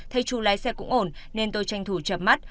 thấy chú lái xe cũng ổn nên tôi tranh thủ chậm mắt